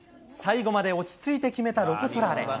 最後まで落ち着いて決めたロコ・ソラーレ。